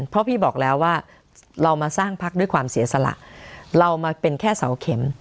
เพราะพี่บอกแล้วว่าเรามาสร้างพักด้วยความเสียสละเรามาเป็นแค่เสาเข็ม